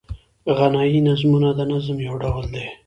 غنايي نظمونه د نظم یو ډول دﺉ.